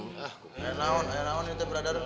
eh nah eh nah nanti brother